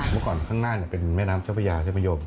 เมื่อก่อนข้างหน้าเป็นแม่น้ำเจ้าพระยาใช่ไหมโยม